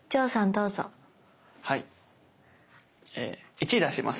１出します。